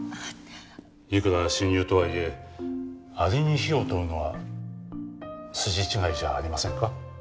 いくら親友とはいえアリに非を問うのは筋違いじゃありませんか？